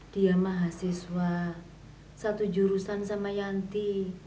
dia mahasiswa satu jurusan sama yanti